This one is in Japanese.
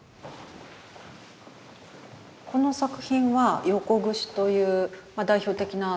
この作品は「横櫛」という代表的な作品の一つですけれども。